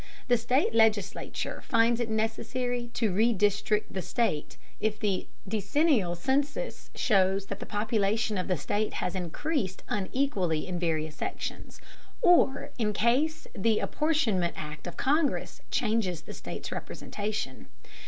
The state legislature finds it necessary to redistrict the state if the decennial census shows that the population of the state has increased unequally in various sections, or in case the apportionment act of Congress changes the state's representation.